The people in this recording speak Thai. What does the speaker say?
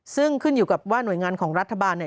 ซึ่งขึ้นอยู่กับว่าหน่วยงานของรัฐบาลเนี่ย